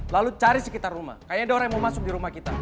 lalu cari sekitar rumah kayaknya ada orang yang mau masuk di rumah kita